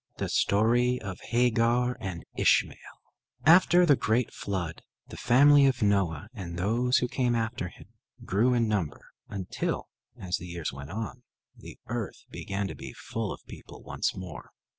THE STORY OF HAGAR AND ISHMAEL After the great flood the family of Noah and those who came after him grew in number, until, as the years went on, the earth began to be full of people once more.